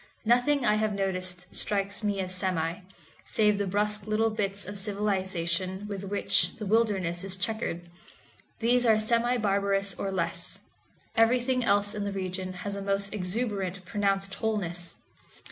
Nothing I have noticed strikes me as semi, save the brusque little bits of civilization with which the wilderness is checkered. These are semi barbarous or less; everything else in the region has a most exuberant pronounced wholeness.